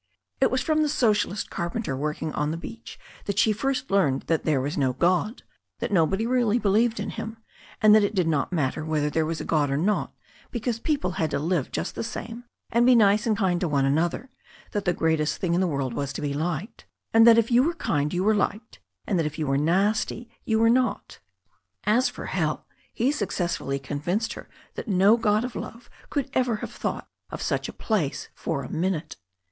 It was from the Socialist carpenter working on the beach that she first learned that there was no God, that nobody really believed in him, and that it did not matter whether there was a God or not, because people had to live just the same, and be nice and kind to one another, that the greatest thing in the world was to be liked, and that if you were kind you were liked, and if you were nasty you were not. As for hell, he successfully convinced her that no god of love could ever have thought of such a place for a minute.